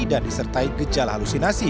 dan disertai gejal halusinasi